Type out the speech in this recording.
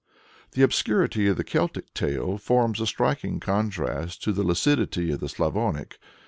The obscurity of the Celtic tale forms a striking contrast to the lucidity of the Slavonic.